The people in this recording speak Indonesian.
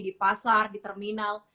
di pasar di terminal